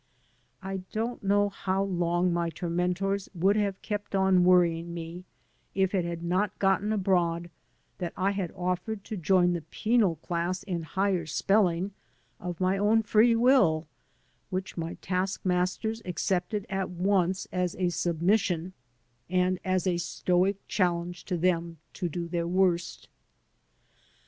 I don't know how long my tormentors would have kept on worrying me if it had not gotten abroad that I had offered to join the penal class in higher spelling, of my own free will, which my task masters accepted at once as a submission and as a stoic challenge to them to do their worst.